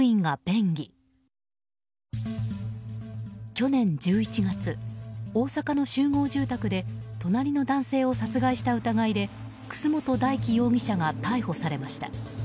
去年１１月、大阪の集合住宅で隣の男性を殺害した疑いで楠本大樹容疑者が逮捕されました。